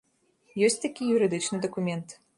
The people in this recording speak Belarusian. Ёсць такі юрыдычны дакумент.